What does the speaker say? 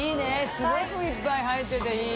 垢瓦いっぱい入ってていい！